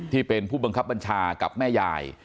ที่เป็นผู้บังคับบัญชากับแม่ยาย